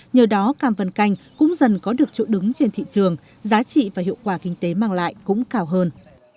nhờ đó cam vân canh cũng dần có được chỗ đứng trên thị trường giá trị và hiệu quả kinh tế mang lại cũng cao hơn